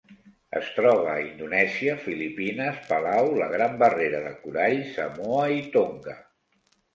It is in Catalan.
Es troba a Indonèsia, Filipines, Palau, la Gran Barrera de Corall, Samoa i Tonga.